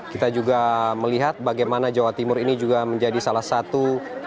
kita juga melihat bagaimana jawa timur ini juga menjadi salah satu